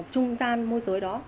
trung gian mua giới đó